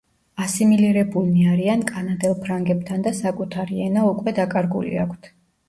ასიმილირებულნი არიან კანადელ ფრანგებთან და საკუთარი ენა უკვე დაკარგული აქვთ.